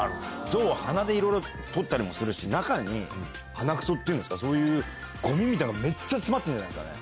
ゾウは鼻でいろいろ取ったりもするし、中に鼻くそっていうんですか、そういうごみみたいなのが、めっちゃ詰まってるんじゃないですかね。